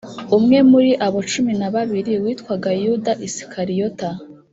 umwe muri abo cumi na babiri witwaga Yuda Isikariyota